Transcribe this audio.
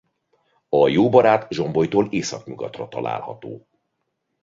A Jóbarát-zsombolytól északnyugatra található.